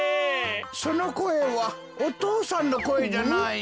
そのこえはお父さんのこえじゃないの。